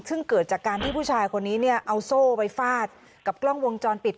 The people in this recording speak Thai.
ซึ่งเกิดจากการที่ผู้ชายคนนี้เนี่ยเอาโซ่ไปฟาดกับกล้องวงจรปิด